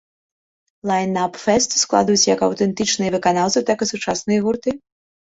Лайн-ап фэсту складуць як аўтэнтычныя выканаўцы, так і сучасныя гурты.